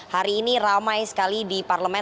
hari ini ramai sekali di parlemen